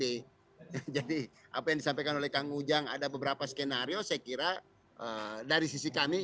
jadi apa yang disampaikan oleh kang ujang ada beberapa skenario saya kira dari sisi kami